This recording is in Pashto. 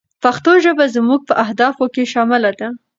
پښتو ژبه زموږ په اهدافو کې شامله ده.